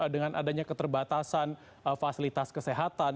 dengan adanya keterbatasan fasilitas kesehatan